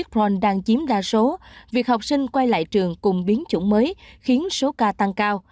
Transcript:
các cấp chính quyền đang chiếm đa số việc học sinh quay lại trường cùng biến chủng mới khiến số ca tăng cao